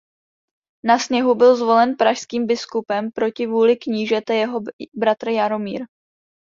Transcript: Na sněmu byl zvolen pražským biskupem proti vůli knížete jeho bratr Jaromír.